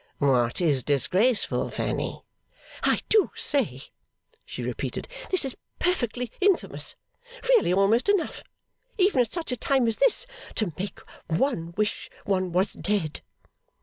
'What is disgraceful, Fanny?' 'I do say,' she repeated, 'this is perfectly infamous! Really almost enough, even at such a time as this, to make one wish one was dead!